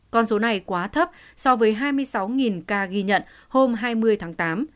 con số này quá thấp so với hai mươi sáu ca ghi nhận hôm hai mươi tháng tám